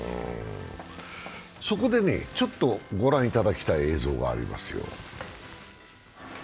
そこで、ちょっと御覧いただきたい映像がありますよ。